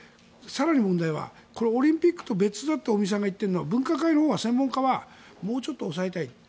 オリンピックと別だと尾身さんが言っているのは分科会のほうは、専門家はもうちょっと抑えたい。